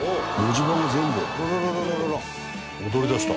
踊りだした。